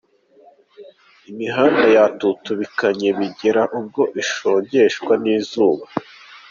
Imihanda yatutubikanye bigera ubwo ishongeshwa n'izuba.